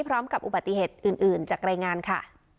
พร้อมกับอุบัติเหตุอื่นจากรายงานค่ะ